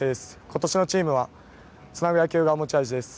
今年のチームはつなぐ野球が持ち味です。